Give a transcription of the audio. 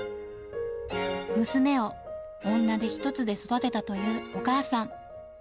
娘を女手一つで育てたというお母さん。